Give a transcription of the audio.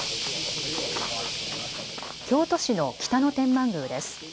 京都市の北野天満宮です。